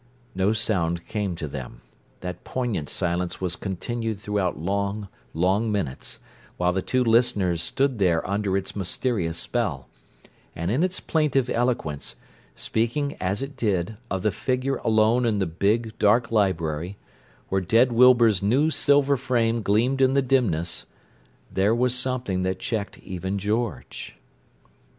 No sound came to them; that poignant silence was continued throughout long, long minutes, while the two listeners stood there under its mysterious spell; and in its plaintive eloquence—speaking, as it did, of the figure alone in the big, dark library, where dead Wilbur's new silver frame gleamed in the dimness—there was something that checked even George.